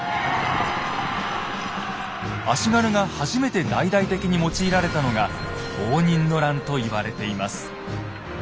足軽が初めて大々的に用いられたのが応仁の乱と言われています。